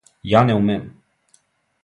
Ја не умем?